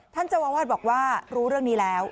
ท่านเจ้าอาวาสบอกว่ารู้เรื่องนี้แล้ว